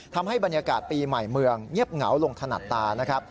ทำให้บรรยากาศปีใหม่เมืองเงียบเหงาลงถนัดตานะครับ